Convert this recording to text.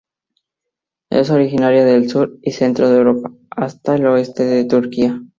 Es originaria del sur y centro de Europa hasta el oeste de Turquía.